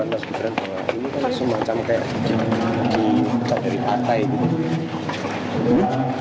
ini kan semacam kayak di atai gitu